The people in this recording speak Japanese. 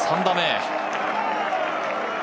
３打目。